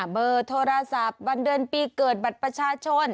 เบอร์โทรศัพท์วันเดือนปีเกิดบัตรประชาชน